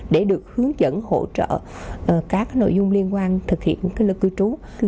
để được hướng dẫn hỗ trợ các nội dung liên quan thực hiện cái lực cư trú